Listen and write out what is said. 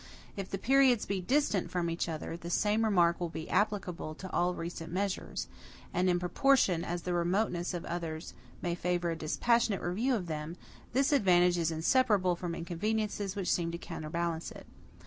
If the periods be distant from each other, the same remark will be applicable to all recent measures; and in proportion as the remoteness of the others may favor a dispassionate review of them, this advantage is inseparable from inconveniences which seem to counterbalance it.